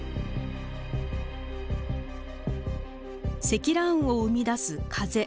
積乱雲を生み出す風。